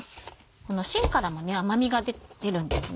このしんからも甘みが出るんですね。